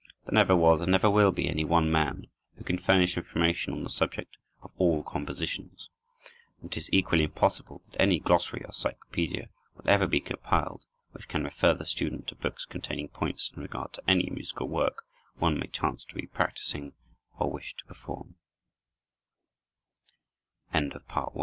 There never was and never will be any one man who can furnish information on the subject of all compositions, and it is equally impossible that any glossary or cyclopedia will ever be compiled which can refer the student to books containing points in regard to any musical work one may chance to be practising, or wish